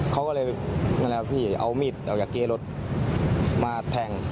เขาก็เลยนั่นแหละพี่เอามีดเอาจากเกรถมาแทง